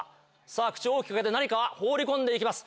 口を大きく開けたところ何か放り込んでいきます。